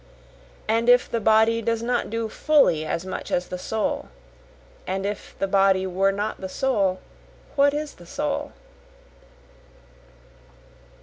And if the body does not do fully as much as the soul? And if the body were not the soul, what is the soul?